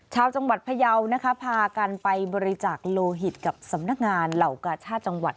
ชาวจังหวัดพยาวนะคะพากันไปบริจาคโลหิตกับสำนักงานเหล่ากาชาติจังหวัด